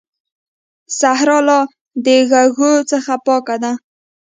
صحرا لا د ږوږ څخه پاکه ده.